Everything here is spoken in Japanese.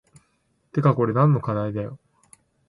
てかこれ何の課題だよ